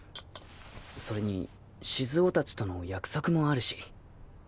それに静雄達との約束もあるし。